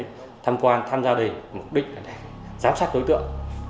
để tham quan tham gia đây mục đích là giám sát đối tượng